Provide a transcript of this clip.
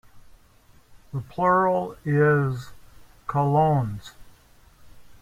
The plural is "colones".